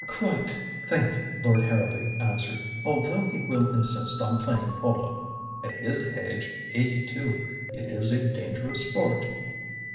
"Quite, thank you," Lord Harrowby answered. "Although he will insist on playing polo. At his age eighty two it is a dangerous sport."